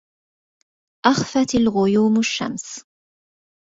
أخفت الغيوم الشمس.